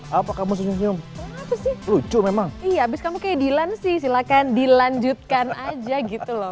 hai apa kamu senyum lucu memang iya abis kamu kayak dilansi silakan dilanjutkan aja gitu loh